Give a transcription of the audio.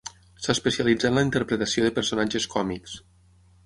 S'especialitzà en la interpretació de personatges còmics.